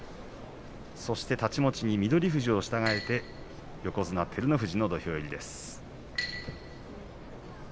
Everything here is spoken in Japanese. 太刀持ちに翠富士を従えて横綱照ノ富士の土俵入りであります。